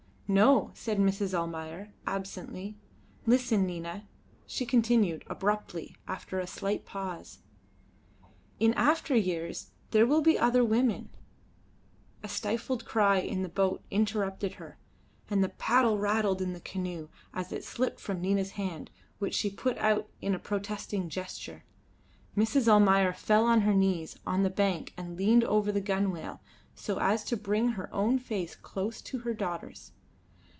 "No," said Mrs. Almayer, absently. "Listen, Nina," she continued, abruptly, after a slight pause, "in after years there will be other women " A stifled cry in the boat interrupted her, and the paddle rattled in the canoe as it slipped from Nina's hands, which she put out in a protesting gesture. Mrs. Almayer fell on her knees on the bank and leaned over the gunwale so as to bring her own face close to her daughter's.